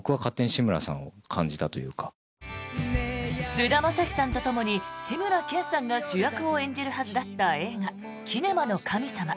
菅田将暉さんとともに志村けんさんが主役を演じるはずだった映画「キネマの神様」。